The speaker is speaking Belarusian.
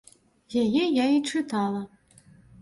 Яе я і чытала.